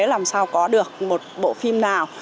làm sao có được một bộ phim nào